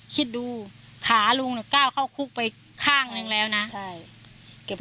คิดดูขาลุงหนูก้าวเข้าคุกไปข้างหนึ่งแล้วนะใช่